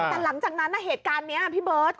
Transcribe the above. แต่หลังจากนั้นเหตุการณ์นี้พี่เบิร์ต